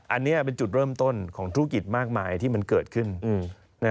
อันนี้เป็นจุดเริ่มต้นของธุรกิจมากมายที่มันเกิดขึ้น